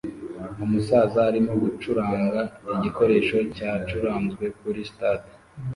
Umusaza arimo gucuranga igikoresho cyacuranzwe kuri stade